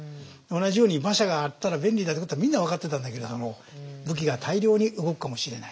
同じように馬車があったら便利だってことはみんな分かってたんだけれども武器が大量に動くかもしれない。